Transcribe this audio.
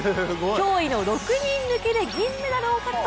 驚異の６人抜きで銀メダルを獲得。